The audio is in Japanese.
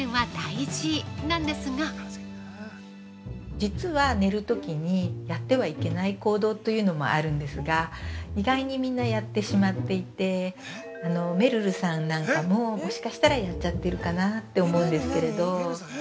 ◆実は寝るときに、やってはいけない行動というのもあるんですが、意外にみんなやってしまっていて、めるるさんなんかも、もしかしたらやっっちゃってるかなと思うんですけど。